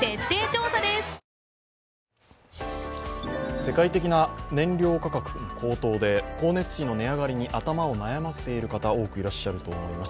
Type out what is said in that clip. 世界的な燃料価格高騰で光熱費の値上がりに頭を悩ませている方多くいらっしゃると思います。